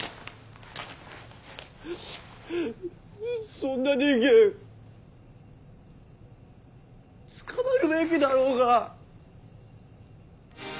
そんな人間捕まるべきだろうが。